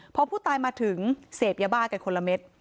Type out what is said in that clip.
พอผู้ตายมาถึงเสพยาบ้ากันคนละเม็ด